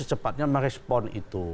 cepatnya merespon itu